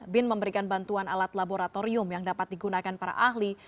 bin memberikan bantuan alat laboratorium yang dapat digunakan para ahli